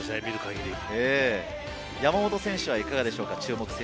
山本選手はいかがですか？